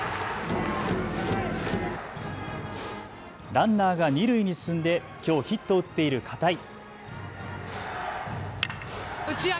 ランナーが二塁に進んできょうヒットを打っている片井。